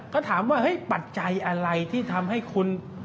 ก็ถามว่าเฮ้ยปัจจัยอะไรที่ทำให้คุณ